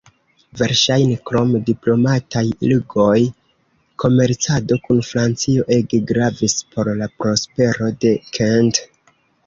Verŝajne, krom diplomataj ligoj, komercado kun Francio ege gravis por la prospero de Kent.